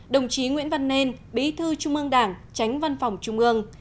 đồng chí nguyễn văn nên bí thư trung ương đảng tránh văn phòng trung ương